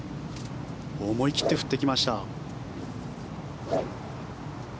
思い切って振っていきました。